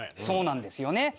そうなんですよね。